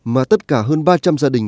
mà tất cả hơn ba trăm linh gia đình